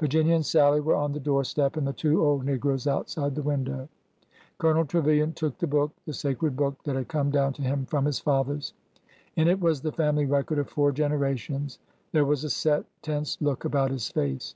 Virginia and Sallie were on the door step, and the two old negroes outside the window. Colonel Trevilian took the book— the sacred book that had come down to him from his fathers. In it was the family record of four genera tions. There was a set, tense look about his face.